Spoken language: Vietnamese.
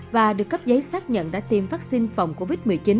và được cấp giấy xác nhận đã tiêm vắc xin phòng covid một mươi chín